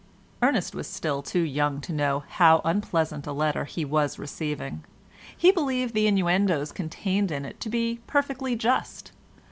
Ernest was still too young to know how unpleasant a letter he was receiving. He believed the innuendoes contained in it to be perfectly just.